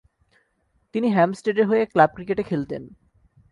তিনি হ্যাম্পস্টেডের হয়ে ক্লাব ক্রিকেটে খেলতেন।